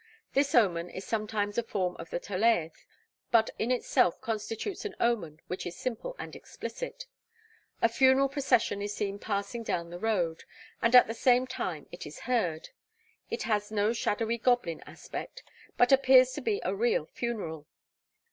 This omen is sometimes a form of the Tolaeth, but in itself constitutes an omen which is simple and explicit. A funeral procession is seen passing down the road, and at the same time it is heard. It has no shadowy goblin aspect, but appears to be a real funeral.